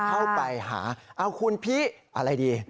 เข้าไปหาเอาคุณพี่อะไรดี